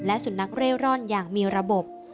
และศูนรักษณะเร่ร่อนอย่างมีระบบ